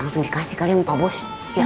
terima kasih kalian toh bos